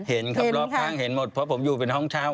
เห็นครับรอบข้างเห็นหมดเพราะผมอยู่เป็นห้องเช่า